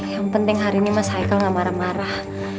yang penting hari ini mas haichael gak marah marah